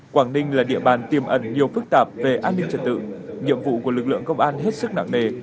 quảng ninh là địa bàn tiêm ẩn nhiều phức tạp về an ninh trật tự nhiệm vụ của lực lượng công an hết sức nặng nề